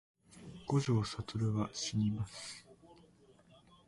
五条悟はしにます